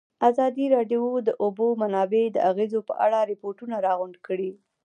ازادي راډیو د د اوبو منابع د اغېزو په اړه ریپوټونه راغونډ کړي.